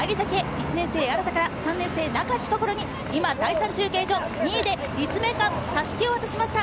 １年生・荒田から３年生・中地こころに今、第３中継所を２位で立命館、襷を渡しました。